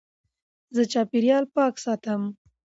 زه چاپېریال پاک ساتم.